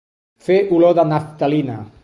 Fer olor de naftalina.